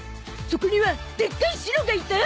そこにはでっかいシロがいた！？